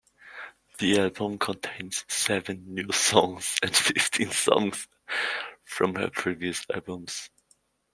The album contains seven new songs and fifteen songs from her pervious albums.